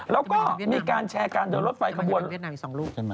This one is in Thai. แล้วก็มีการแชร์เพลงดอรดฝ่ายกระบวนจะมาในเวียดนามอีก๒รูป